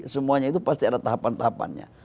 semuanya itu pasti ada tahapan tahapannya